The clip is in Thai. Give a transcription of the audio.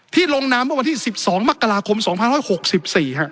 ที่ลงน้ำเมื่อวันที่๑๒มกราคม๒๐๖๔ครับ